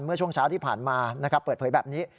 เมื่อช่วงเช้าที่ผ่านมานะครับเปิดเผยแบบนี้